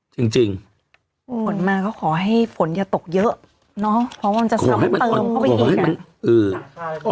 จริงจริงอืมฝนมาก็ขอให้ฝนอย่าตกเยอะเนอะเพราะว่ามันจะซ้ำเติมขอให้มันขอให้มันอืม